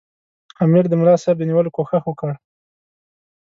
امیر د ملاصاحب د نیولو کوښښ وکړ.